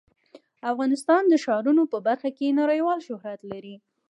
افغانستان د ښارونه په برخه کې نړیوال شهرت لري.